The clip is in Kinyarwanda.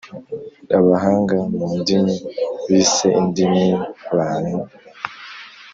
abahanga mu ndimi bise indimi Bantu.